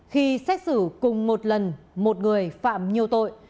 khi xét xử cùng một lần một người phạm nhiều tội